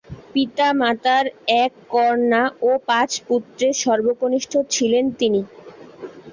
পিতামাতার এক কন্যা ও পাঁচ পুত্রের সর্বকনিষ্ঠ ছিলেন তিনি।